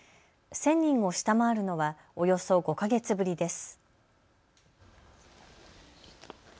１０００人を下回るのはおよそ５か月ぶりです。